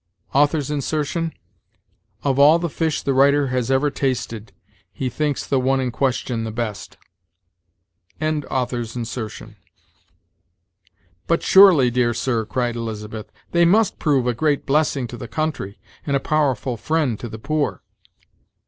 * Of all the fish the writer has ever tasted, he thinks the one in question the best. "But surely, dear sir," cried Elizabeth, "they must prove a great blessing to the country, and a powerful friend to the poor."